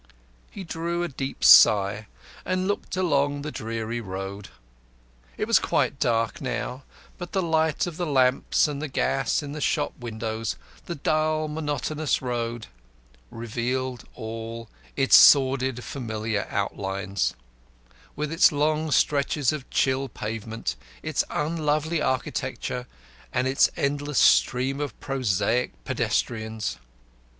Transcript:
He drew a deep sigh, and looked along the dreary Road. It was quite dark now, but by the light of the lamps and the gas in the shop windows the dull, monotonous Road lay revealed in all its sordid, familiar outlines; with its long stretches of chill pavement, its unlovely architecture, and its endless stream of prosaic pedestrians.